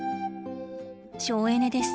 省エネです。